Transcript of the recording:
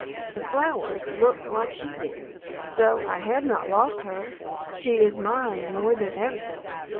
The flowers look like she did. So I have not lost her, she is mine more than ever.